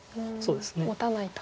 もたないと。